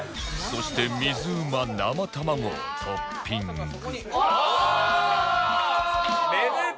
そして水うま生卵をトッピングうわー！